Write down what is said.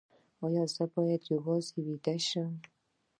ایا زه باید یوازې ویده شم؟